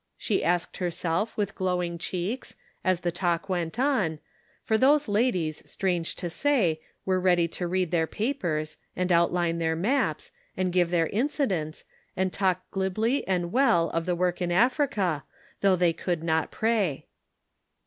she asked herself with glowing cheeks, as the talk went on, for those ladies, strange to say, were ready to read their papers, and outline their maps, and give their incidents, and talk glibly and well of the work in Africa, although they could not pray.